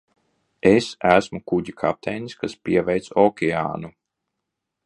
Es esmu kuģa kapteinis, kas pieveic okeānu!